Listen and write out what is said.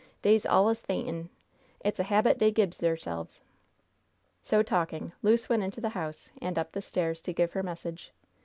Dey's allus faintn'. It's a habit dey gibs deirselves." So talking, Luce went into the house and up the stairs to give her message.